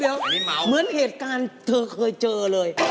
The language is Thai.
เดี๋ยวเหมือนเหตุการณ์เธอเคยเจอเลย